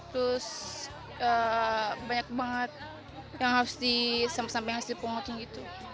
terus banyak banget yang harus disampah sampah yang harus dipungutin gitu